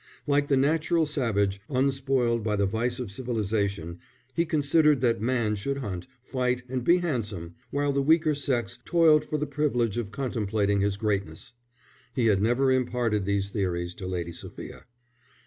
Like the natural savage, unspoiled by the vice of civilization, he considered that man should hunt, fight, and be handsome, while the weaker sex toiled for the privilege of contemplating his greatness. He had never imparted these theories to Lady Sophia.